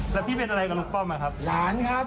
แล้วพี่เป็นอะไรกับลุงป้อมอะครับหลานครับ